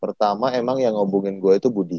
pertama emang yang ngobrogin gua itu budi